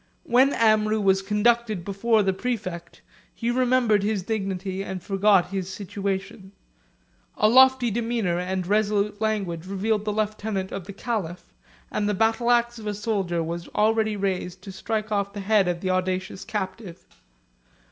When Amrou was conducted before the praefect, he remembered his dignity, and forgot his situation: a lofty demeanor, and resolute language, revealed the lieutenant of the caliph, and the battle axe of a soldier was already raised to strike off the head of the audacious captive.